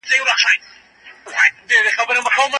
امبولانس د مار په څېر په سړک کې تېرېده.